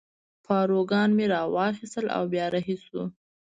پاروګان مې را واخیستل او بیا رهي شوو.